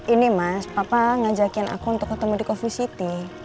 ini mas papa ngajakin aku untuk ketemu di coffee city